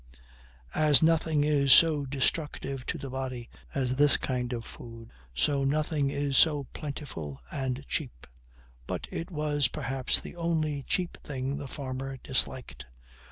As nothing is so destructive to the body as this kind of food, so nothing is so plentiful and cheap; but it was perhaps the only cheap thing the farmer disliked.